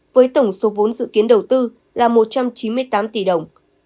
với tổng số vốn dự kiến đầu tư là một trăm chín mươi tám tỷ đồng